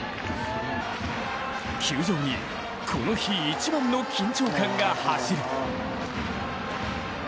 球場に、この日一番の緊張感が走る。